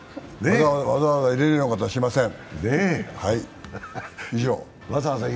わざわざ入れるようなことはしません。